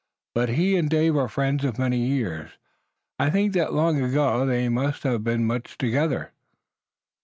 But he and Dave are friends of many years. I think that long ago they must have been much together."